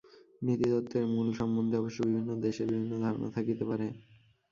নীতিতত্ত্বের মূলসম্বন্ধে অবশ্য বিভিন্ন দেশে বিভিন্ন ধারণা থাকিতে পারে।